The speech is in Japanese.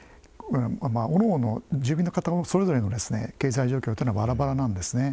おのおの住民の方それぞれの経済状況っていうのはバラバラなんですね。